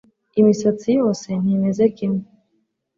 imisatsi yose ntimeze kimwe